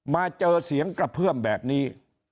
มาเจอเสียงกระเพื่อมแบบนี้